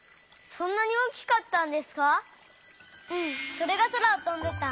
それがそらをとんでた。